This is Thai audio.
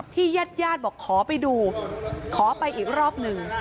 ญาติญาติบอกขอไปดูขอไปอีกรอบหนึ่ง